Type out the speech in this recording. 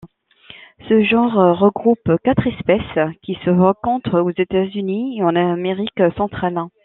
Ce genre regroupe quatre espèces qui se rencontrent aux États-Unis et en Amérique centrale.